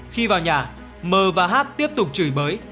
khi vào nhà m và h tiếp tục chửi bới